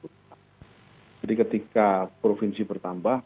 jadi ketika provinsi bertambah